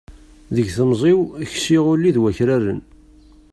Deg temẓi-w ksiɣ ulli d wakraren